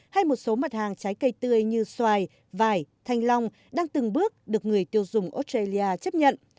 hay một số mặt hàng trái cây tươi như xoài vải thanh long đang từng bước được người tiêu dùng australia chấp nhận